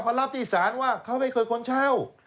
เขารับที่ศาลว่าเขาไม่เคยคนเช่า